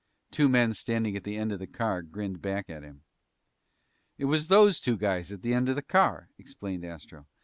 Two men standing at the end of the car grinned back at him. "It was those two guys at the end of the car," explained Astro.